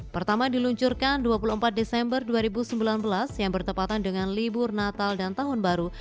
pertama diluncurkan dua puluh empat desember dua ribu sembilan belas yang bertepatan dengan libur natal dan tahun baru